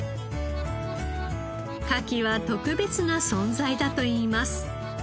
カキは特別な存在だといいます。